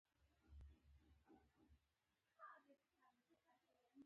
له ډېره درده يې خپل ټيکری په خوله ننوېستی و.